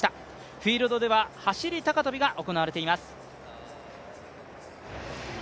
フィールドでは走り高跳びが行われています。